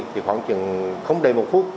thì khoảng chừng không đầy một phút